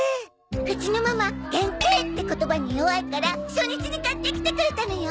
うちのママ「限定」って言葉に弱いから初日に買ってきてくれたのよ。